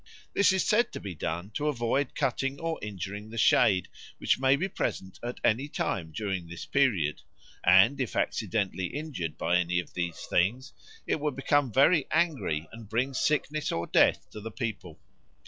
This is said to be done to avoid cutting or injuring the shade, which may be present at any time during this period, and, if accidentally injured by any of these things, it would become very angry and bring sickness or death to the people.